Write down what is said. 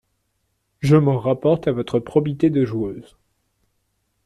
Je m'en rapporte à votre probité de joueuse.